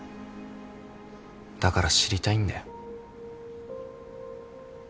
だから知りたいんだよ。